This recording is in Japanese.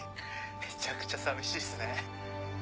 めちゃくちゃ寂しいっすね。